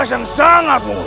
tugas yang sangat mudah